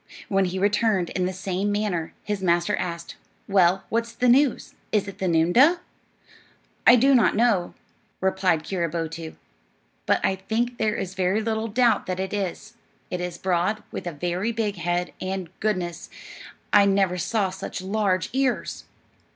When he returned in the same manner, his master asked: "Well, what's the news? Is it the noondah?" "I do not know," replied Keeroboto; "but I think there is very little doubt that it is. It is broad, with a very big head, and, goodness, I never saw such large ears!"